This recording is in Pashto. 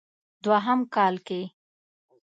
دوهم کال کې